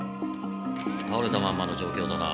倒れたまんまの状況だな。